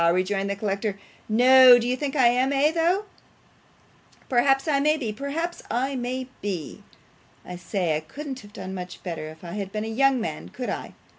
rejoined the collector. 'No. Do you think I am though, eh? Perhaps I may be, perhaps I may be. I say, I couldn't have done much better if I had been a young man, could I?